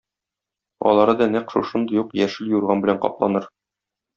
Алары да нәкъ шушындый ук яшел юрган белән капланыр!